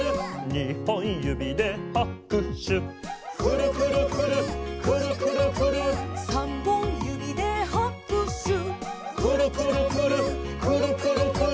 「にほんゆびではくしゅ」「くるくるくるっくるくるくるっ」「さんぼんゆびではくしゅ」「くるくるくるっくるくるくるっ」